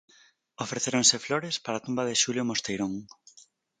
Ofrecéronse flores para a tumba de Xulio Mosteirón.